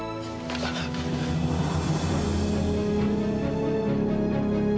aku mau pulang